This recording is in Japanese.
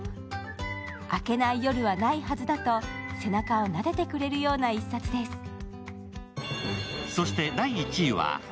明けない夜はないはずだと背中をなでてくれるような一冊です。